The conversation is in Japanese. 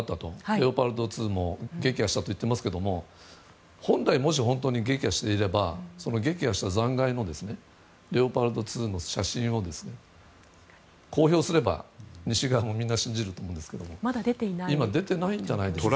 レオパルト２も撃破したと言っていますから本来もし本当に撃破していれば撃破した残骸レオパルト２の写真を公表すれば西側もみんな信じると思うんですけど今、出ていないんじゃないですかね。